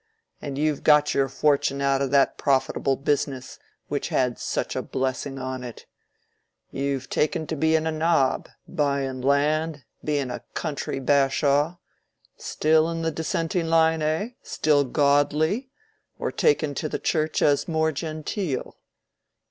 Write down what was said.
And you've got your fortune out of that profitable business which had such a blessing on it. You've taken to being a nob, buying land, being a country bashaw. Still in the Dissenting line, eh? Still godly? Or taken to the Church as more genteel?"